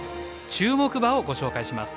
注目馬をご紹介します。